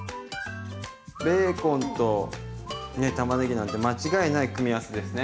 ベーコンと玉ねぎなんて間違いない組み合わせですね。